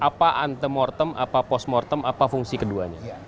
apa un mortem apa post mortem apa fungsi keduanya